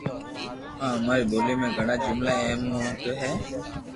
آ مارو ٻولي ۾ گھڙا جملا اي مون ٺي ھي